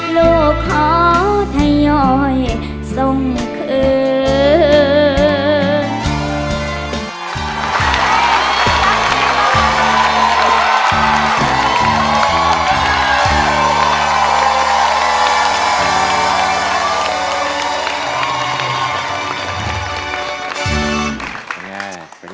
ลูกขอทยอยส่งคืน